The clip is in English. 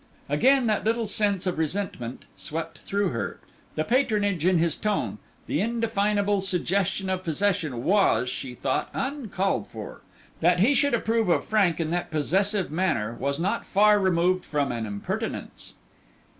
Again that little sense of resentment swept through her; the patronage in his tone, the indefinable suggestion of possession was, she thought, uncalled for. That he should approve of Frank in that possessive manner was not far removed from an impertinence.